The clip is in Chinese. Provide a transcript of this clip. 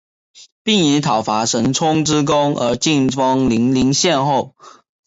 并以讨伐沈充之功而进封零陵县侯。